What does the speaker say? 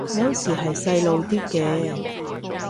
有時係細路啲嘅